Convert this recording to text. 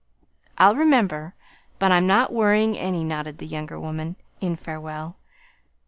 "I'll remember but I'm not worrying any," nodded the younger woman, in farewell.